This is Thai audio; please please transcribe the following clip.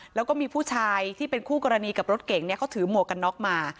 แล้วก็มีผู้ชายที่เป็นคู่กรณีกับรถเก่งเขาถือหมวกกันน็อกมา